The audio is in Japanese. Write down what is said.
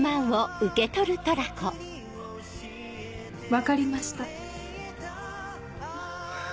分かりました。